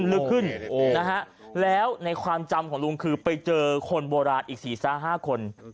ลึกขึ้นนะฮะแล้วในความจำของลุงคือไปเจอคนโบราณอีก๔๕คน